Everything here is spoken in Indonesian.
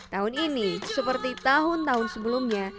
tahun ini seperti tahun tahun sebelumnya